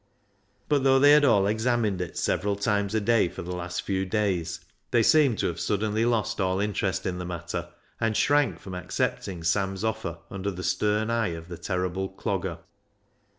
But, though they had all examined it several times a day for the last few days, they seemed to have suddenly lost all interest in the matter, and shrank from accepting Sam's offer under the stern eye of the terrible Clogger.